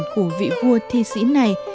của vị vua thi sĩ này